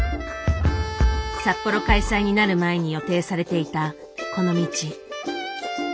札幌開催になる前に予定されていたこの道。